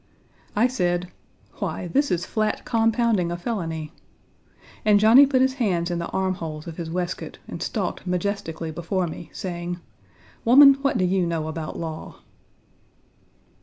I said: "Why, this is flat compounding a felony." And Johnny put his hands in the armholes of his waistcoat and stalked majestically before me, saying, "Woman, what do you know about law?"